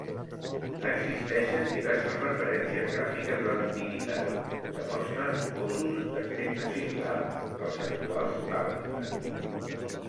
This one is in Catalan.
Existeixen diverses referències gràfiques de l'Antiguitat que mostren gossos d'aspecte similar als actuals dàlmates.